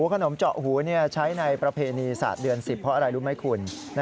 ขนมเจาะหูใช้ในประเพณีศาสตร์เดือน๑๐เพราะอะไรรู้ไหมคุณ